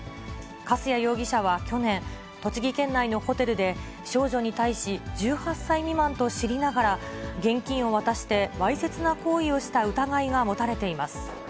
粕谷容疑者は去年、栃木県内のホテルで、少女に対し１８歳未満と知りながら、現金を渡してわいせつな行為をした疑いが持たれています。